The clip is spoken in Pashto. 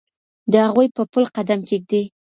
د هغوی په پل قدم کېږدئ.